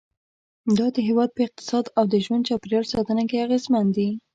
دا د هېواد په اقتصاد او د ژوند چاپېریال ساتنه کې اغیزمن دي.